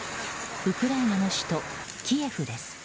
ウクライナの首都キエフです。